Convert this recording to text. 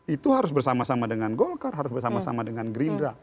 itu harus bersama sama dengan golkar harus bersama sama dengan gerindra